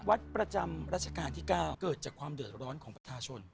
วัดประจำรัชกาลที่๙เกิดจากความเดือดร้อนของประชาชน